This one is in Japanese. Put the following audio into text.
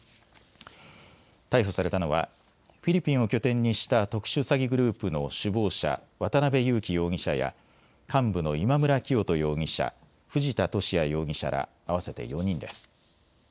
逮捕されたのはフィリピンを拠点にした特殊詐欺グループの首謀者、渡邉優樹容疑者や幹部の今村磨人容疑者、藤田聖也容疑者ら合わせて４人です。